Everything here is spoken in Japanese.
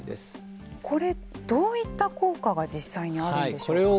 これ、どういった効果が実際にあるんでしょうか。